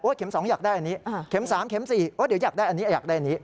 เข็ม๒อยากได้อันนี้เข็ม๓เม็ม๔เดี๋ยวอยากได้อันนี้อยากได้อันนี้